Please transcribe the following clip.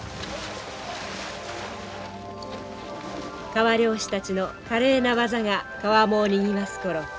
川漁師たちの華麗な技が川面をにぎわす頃